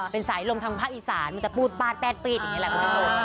เป็นสายลมทางภาคอีสานมันจะปูดแปดปีดอย่างนี้แหละคุณผู้ชม